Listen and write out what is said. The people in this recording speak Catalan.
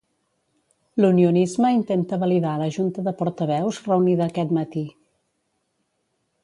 L'unionisme intenta validar la junta de portaveus reunida aquest matí.